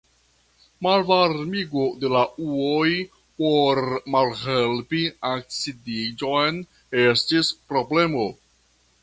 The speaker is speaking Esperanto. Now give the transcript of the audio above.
Malvarmigo de la ujoj por malhelpi acidiĝon estis problemo.